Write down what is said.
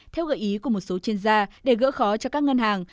theo gợi ý của một số chuyên gia để gỡ khó cho các ngân hàng